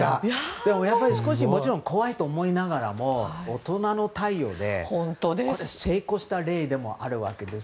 でもやっぱりもちろん怖いと思いながらも大人の対応で成功した例でもあるわけです。